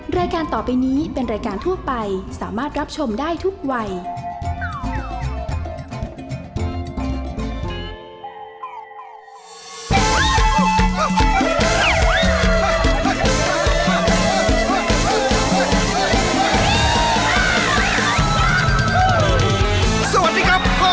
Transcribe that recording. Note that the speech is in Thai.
สวัสดีครับพ่อแม่ผีน้อง